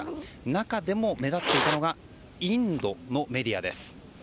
中でも目立っていたのがインドのメディアです。